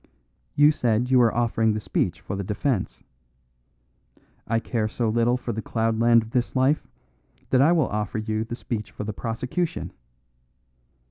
You said you were offering the speech for the defence. I care so little for the cloudland of this life that I will offer you the speech for the prosecution.